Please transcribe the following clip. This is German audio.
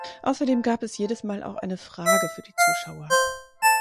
Außerdem gab es jedes Mal auch eine Frage für die Zuschauer.